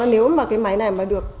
nếu mà cái máy này mà được